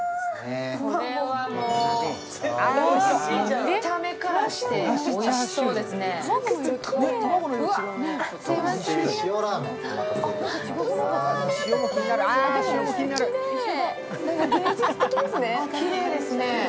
見た目からしておいしそうですね。